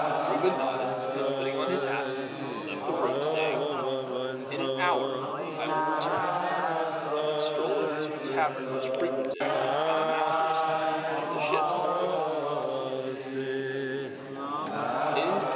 Reuben nodded and, putting on his hat, left the room, saying, "In an hour I will return;" and then strolled over to a tavern much frequented by the masters of the ships in the port.